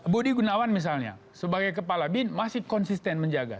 budi gunawan misalnya sebagai kepala bin masih konsisten menjaga